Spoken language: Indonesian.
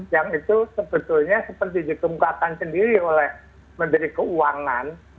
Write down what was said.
yang itu sebetulnya seperti dikemukakan sendiri oleh menteri keuangan